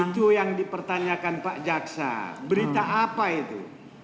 itu yang dipertanyakan pak jaksa berita apa itu